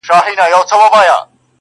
ستا د پښې پايزيب مي تخنوي گلي.